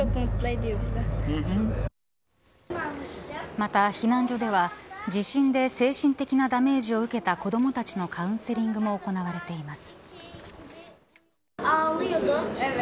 また、避難所では地震で精神的なダメージを受けた子どもたちのカウンセリングも行われています。